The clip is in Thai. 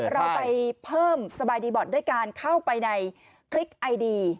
เราไปเพิ่มสบายดีบอร์ดด้วยการเข้าไปในคลิกไอดี